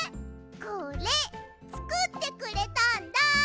これつくってくれたんだ！